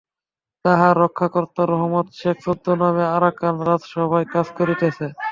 তাহার রক্ষাকর্তা রহমত শেখ ছদ্মনামে আরাকান রাজসভায় কাজ করিতেছে।